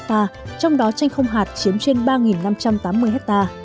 trong đó chanh không hạt chiếm trên ba năm trăm tám mươi hectare